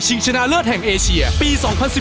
ชนะเลิศแห่งเอเชียปี๒๐๑๘